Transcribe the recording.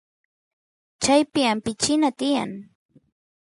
chaypi ampichina tiyan